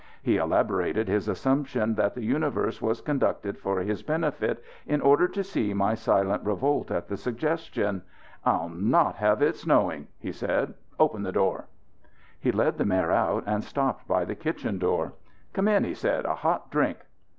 He elaborated his assumption that the universe was conducted for his benefit, in order to see my silent revolt at the suggestion. "I'll not have it snowing." he said. "Open the door." He led the mare out and stopped by the kitchen door. "Come in," he said. "A hot drink."